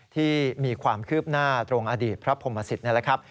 ที่มีความคืบหน้าตรงอดีตพระพรมศิษย์นี่แหละครับ